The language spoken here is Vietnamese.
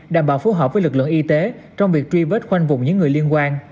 đảm bảo phù hợp với lực lượng y tế trong việc truy vết khoanh vùng những người liên quan